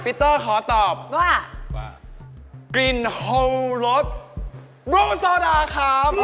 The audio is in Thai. ปีเตอร์ขอตอบว่ากลิ่นโฮลดบรูซาวดาครับ